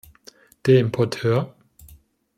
Der Importeur?